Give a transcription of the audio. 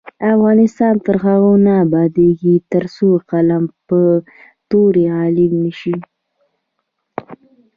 افغانستان تر هغو نه ابادیږي، ترڅو قلم پر تورې غالب نشي.